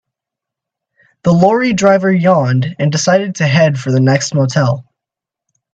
The lorry driver yawned and decided to head for the next motel.